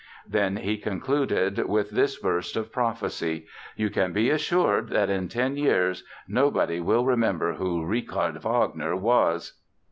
Then he concluded with this burst of prophecy: "You can be assured that in ten years nobody will remember who Richard Wagner was!"